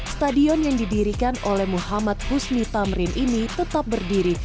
stadion yang didirikan oleh muhammad husni tamrin ini tetap berdiri